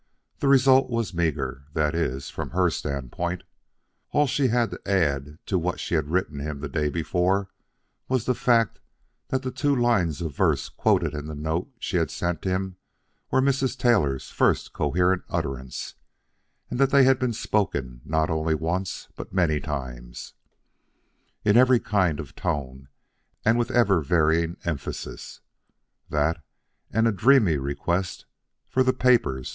The result was meagre that is, from her standpoint. All she had to add to what she had written him the day before was the fact that the two lines of verse quoted in the note she had sent him were Mrs. Taylor's first coherent utterance, and that they had been spoken not only once but many times, in every kind of tone, and with ever varying emphasis. That and a dreamy request for "The papers!